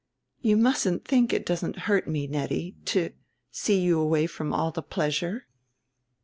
"You mustn't think it doesn't hurt me, Nettie, to to see you away from all the pleasure.